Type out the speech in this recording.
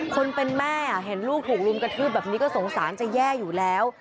คนเป็นแม่เห็นลูกถูกรุมกระทืบแบบนี้ก็สงสารจะแย่อยู่แล้ว